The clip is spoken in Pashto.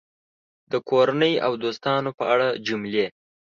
د کورنۍ او دوستانو په اړه جملې